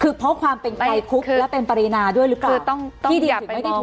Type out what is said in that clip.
คือเพราะความเป็นใครคุกและเป็นปรินาด้วยหรือเปล่า